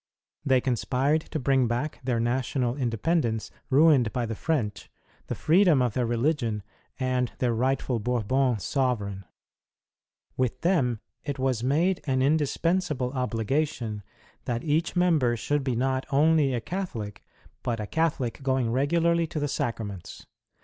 'J'hey conspired to bring back their national independence ruined by the French, the freedom of their reli gion, and their rightful Bourbon sovereign. With them it was made an indispensable obligation that each member should be not only a Catholic, but a Catholic going regularly to the Sacra ments.